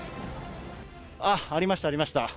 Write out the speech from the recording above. あっ、ありました、ありました。